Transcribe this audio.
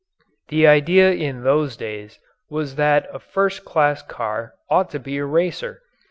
The idea in those days was that a first class car ought to be a racer.